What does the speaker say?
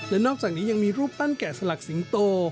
และนอกจากนี้ยังมีรูปปั้นแกะสลักสิงโต